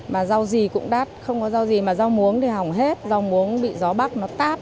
mà rau gì cũng đắt không có rau gì mà rau muống thì hỏng hết rau muống bị gió bắc nó tát